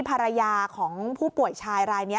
ภรรยาของผู้ป่วยชาย